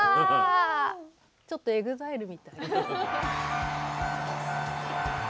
ちょっとＥＸＩＬＥみたい。